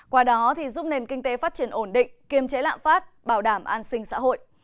qua đó giúp nền kinh tế phát triển ổn định kiềm chế lạm phát bảo đảm an sinh xã hội